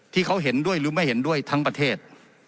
ที่เขาเห็นด้วยหรือไม่เห็นด้วยทั้งประเทศ